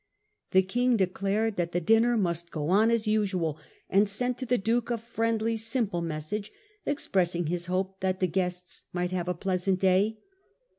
The King declared that the dinner must go on as usual, and sent to the Duke a friendly, simple message, expressing his hope that the guests might have a pleasant day.